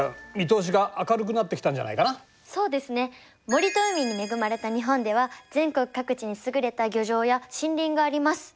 森と海に恵まれた日本では全国各地に優れた漁場や森林があります。